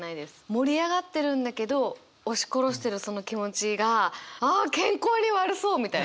盛り上がってるんだけど押し殺してるその気持ちがあ健康に悪そうみたいな。